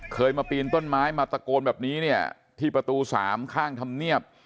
เคยมาปีนต้นไม้มาตะโกนแบบนี้เนี่ยที่ประตู๓ข้างธรรมเนียบ